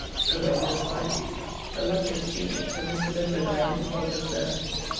O my dearest life, a lucky expedient have Mr. Mennell and I hit upon just now.